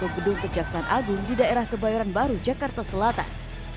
ke gedung kejaksaan agung di daerah kebayoran baru jakarta selatan